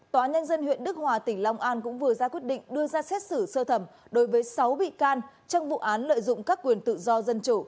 tòa nhân dân huyện đức hòa tỉnh long an cũng vừa ra quyết định đưa ra xét xử sơ thẩm đối với sáu bị can trong vụ án lợi dụng các quyền tự do dân chủ